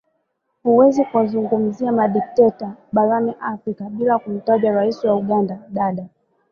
Huwezi kuwazungumzia madikteta barani afrika bila kumtaja Rais wa Uganda Dada